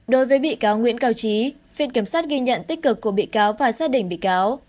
đối với bị cáo nguyễn cao trí viện kiểm sát ghi nhận tích cực của bị cáo và gia đình bị cáo